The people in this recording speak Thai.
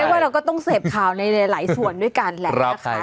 ว่าเราก็ต้องเสพข่าวในหลายส่วนด้วยกันแหละนะคะ